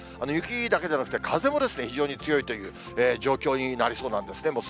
雪だけでなくて、風も非常に強いという状況になりそうなんですね。